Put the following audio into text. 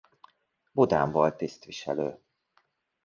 Budán volt tisztviselő.